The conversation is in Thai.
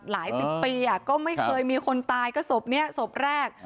หลายสิบปีก็ไม่เคยมีคนตายก็ศพนี้ศพแรก